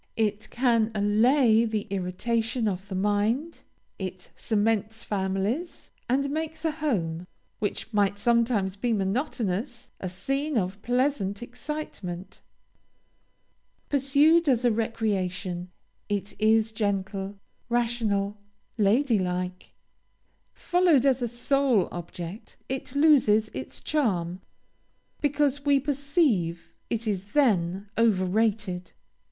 It can allay the irritation of the mind; it cements families, and makes a home, which might sometimes be monotonous, a scene of pleasant excitement. Pursued as a recreation, it is gentle, rational, lady like. Followed as a sole object, it loses its charm, because we perceive it is then over rated.